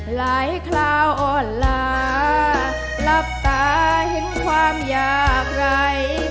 คราวอ่อนลาหลับตาเห็นความอยากไร